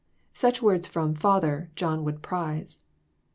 Such words from "father," John would prize.